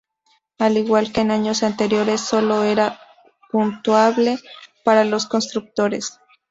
Al igual que en años anteriores solo era puntuable para los constructores.